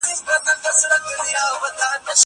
کېدای سي د کتابتون د کار مرسته ستونزي ولري!!